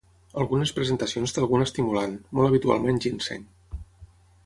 Algunes presentacions té algun estimulant, molt habitualment ginseng.